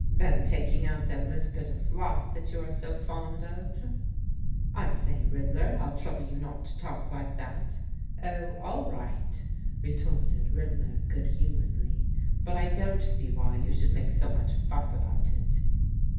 " Been taking out that little bit of fluflE that you are so fond of ?" I say, Riddler, I'll trouble you not to talk like that* Oh, all right," retorted Riddler good humouredly, "but I don't see why you should make so much fuss about it."